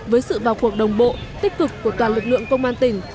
với sự vào cuộc đồng bộ tích cực của toàn lực lượng công an tỉnh